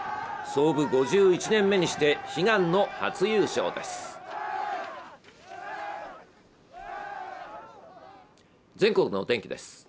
創部５１年目にして悲願の初優勝です。